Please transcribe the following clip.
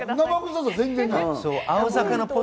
生臭さ、全然ない。